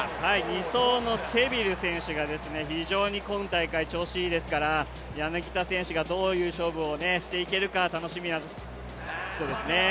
２走のセビル選手が非常に今大会調子がいいですから柳田選手がどういう勝負をしていけるか楽しみな人ですね。